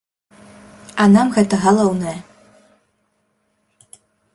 А нам гэта галоўнае.